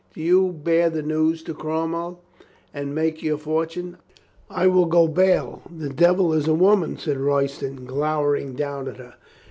Do you bear the news to Cromwell and make your fortune." "I will go bail the devil is a woman," said Roy ston, glowering down at her.